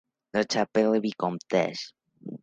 La Chapelle-Vicomtesse